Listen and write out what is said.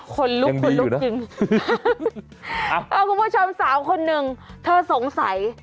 คนลุกจริงคุณผู้ชมสาวคนหนึ่งเธอสงสัย